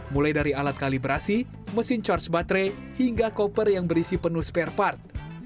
mulai dari alat kalibrasi mesin charge baterai hingga koper yang berisi penuh spare part